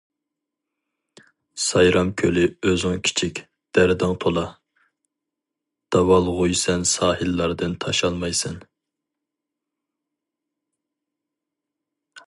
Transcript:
سايرام كۆلى ئۆزۈڭ كىچىك، دەردىڭ تولا، داۋالغۇيسەن ساھىللاردىن تاشالمايسەن.